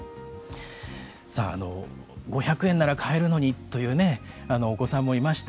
さあ５００円なら買えるのにというお子さんもいました。